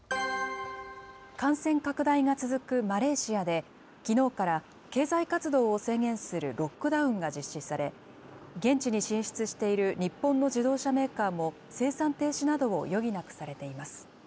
感染拡大が続くマレーシアで、きのうから経済活動を制限するロックダウンが実施され、現地に進出している日本の自動車メーカーも生産停止などを余儀なくされています。